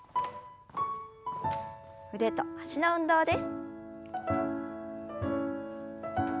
腕と脚の運動です。